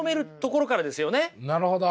なるほど！